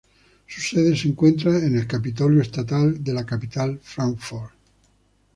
Su sede se encuentra en el Capitolio estatal de la capital Frankfort.